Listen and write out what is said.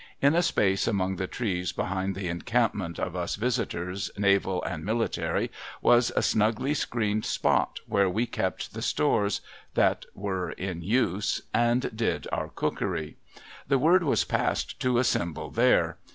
In a space among the trees behind the encampment of us visitors, na\al and military, was a snugly screened spot, where we kept the stores that were in use, and did our cookery. The word was passed to assemble here.